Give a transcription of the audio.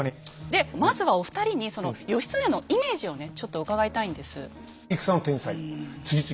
でまずはお二人にその義経のイメージをねちょっと伺いたいんです。